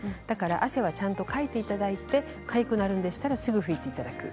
汗はちゃんとかいていただいてかゆくなるんでしたらすぐ拭いていただく。